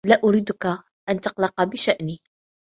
لا أريدك أن تقلق بشأني.